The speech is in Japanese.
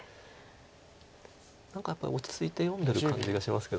何かやっぱり落ち着いて読んでる感じがしますけど。